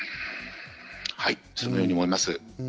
そのように思います。